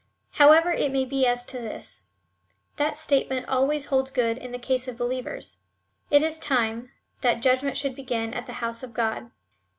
However it may be as to this, that statement always holds good in the case of be lievers — It is time, that judgment should hegin at the house of God.